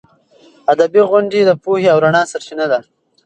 ادبي غونډې د پوهې او رڼا سرچینه ده.